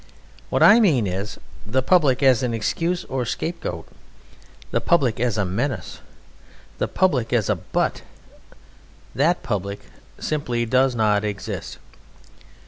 What I mean is "The Public" as an excuse or scapegoat; the Public as a menace; the Public as a butt. That Public simply does not exist.